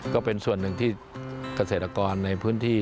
ก็เป็นส่วนหนึ่งที่เกษตรกรในพื้นที่